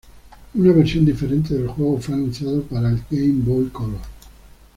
Una versión diferente del juego fue anunciado para el Game Boy Color.